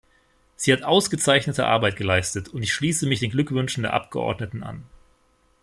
Sie hat ausgezeichnete Arbeit geleistet, und ich schließe mich den Glückwünschen der Abgeordneten an.